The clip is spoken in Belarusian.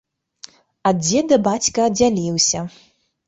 Ад дзеда бацька аддзяліўся.